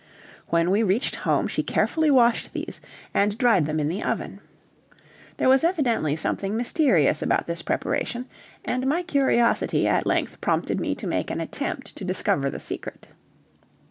When we reached home she carefully washed these and dried them in the oven. There was evidently something mysterious about this preparation, and my curiosity at length prompted me to make an attempt to discover the secret.